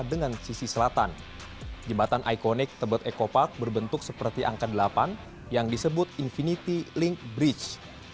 di tebet ecopark berbentuk seperti angka delapan yang disebut infinity link bridge